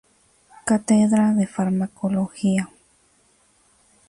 Cátedra de Farmacología.